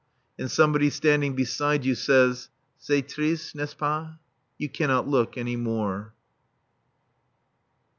And somebody standing beside you says: "C'est triste, n'est ce pas?" You cannot look any more.